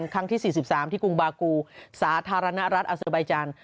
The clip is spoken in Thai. ครั้งที่๔๓ที่กรุงบากูสาธารณรัฐอาสบายจาน